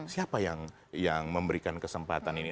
siapa yang memberikan kesempatan ini